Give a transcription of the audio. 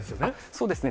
そうですね。